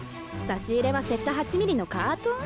差し入れはセッタ８ｍｍのカートン？